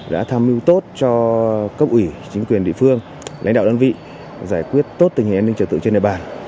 đã tham mưu tốt cho cấp ủy chính quyền địa phương lãnh đạo đơn vị giải quyết tốt tình hình an ninh trở tự trên địa bàn